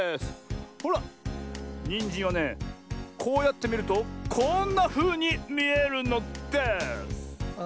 ほらニンジンはねこうやってみるとこんなふうにみえるのです！